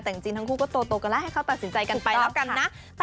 แต่จริงทั้งคู่ก็โตกันแล้วให้เขาตัดสินใจกันไปแล้วกันนะ